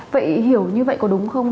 vậy hiểu như vậy có đúng không